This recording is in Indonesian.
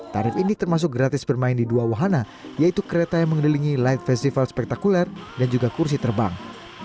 tarif ini termasuk gratis bermain di dua wahana yaitu kereta yang mengelilingi light festival spektakuler dan juga kursi terbang